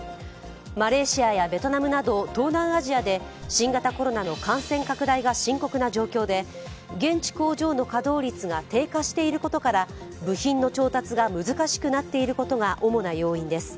マレーシアやベトナムなど東南アジアで新型コロナの感染拡大が深刻な状況で、現地工場の稼働率が低下していることから部品の調達が難しくなっていることが主な要因です。